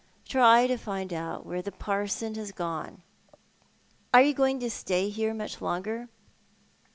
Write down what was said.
Try to find out where the parson has gone." " Are you going to stay here much longer?